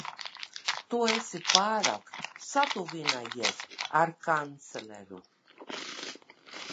Tu esi pārāk satuvinājies ar kancleru.